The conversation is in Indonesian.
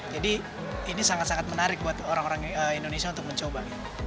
jadi ini sangat sangat menarik buat orang orang indonesia untuk mencoba